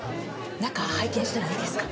中拝見してもいいですか？